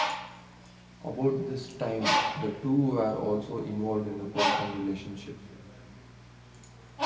About this time, the two were also involved in a personal relationship.